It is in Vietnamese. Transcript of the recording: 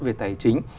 về tài chính